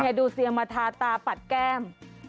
นี่ดูเสียงมาทาตาปัดแก้ม